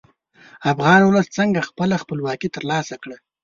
افغان ولس څنګه خپله خپلواکي تر لاسه کړه.